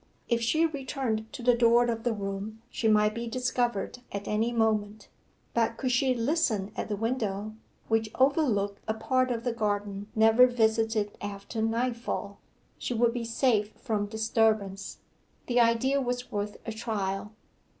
If she returned to the door of the room she might be discovered at any moment, but could she listen at the window, which overlooked a part of the garden never visited after nightfall, she would be safe from disturbance. The idea was worth a trial.